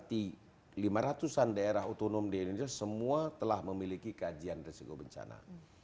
di lima ratus an daerah otonom di indonesia semua telah memiliki kajian risiko bencana